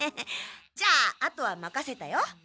じゃああとはまかせたよ。